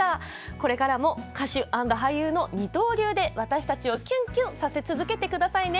これからも歌手アンド俳優の二刀流で私たちをキュンキュンさせ続けてくださいね。